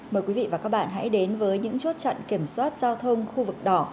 mời quý vị và các bạn hãy đến với những chốt chặn kiểm soát giao thông khu vực đỏ